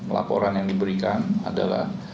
laporan yang diberikan adalah